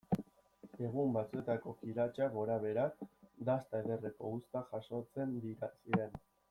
Egun batzuetako kiratsa gorabehera, dasta ederreko uztak jasotzen ziren.